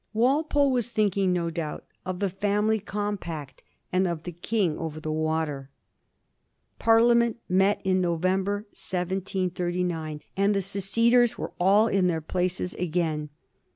Walpole was thinking, no doubt, of the Family Compact, and of " the King over the Water." Parliament met in November, 1739, and the seceders were all in their places again.